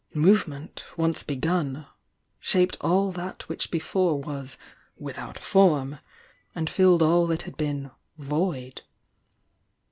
Movement, once begun, shaped all that which be fore was 'without form' and filled all that had been 'void.'